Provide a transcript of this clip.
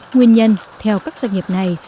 nguyên nhân theo các doanh nghiệp này